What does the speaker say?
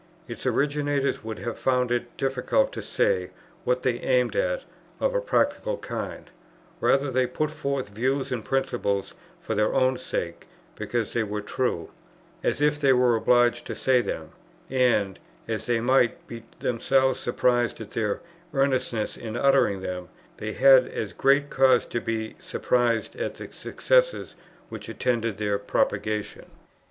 Its originators would have found it difficult to say what they aimed at of a practical kind: rather, they put forth views and principles for their own sake, because they were true, as if they were obliged to say them; and, as they might be themselves surprised at their earnestness in uttering them, they had as great cause to be surprised at the success which attended their propagation.